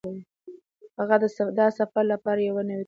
دا سفر زما لپاره د یوې نوې تجربې پیل و.